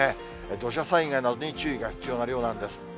土砂災害などに注意が必要な量なんです。